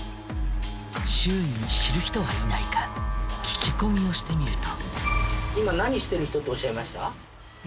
周囲に知る人はいないか聞き込みをしてみると。